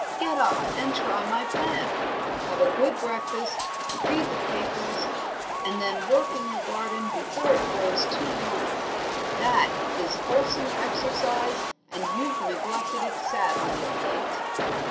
Get up and try my plan; have a good breakfast, read the papers, and then work in your garden before it grows too warm; that is wholesome exercise and you've neglected it sadly of late."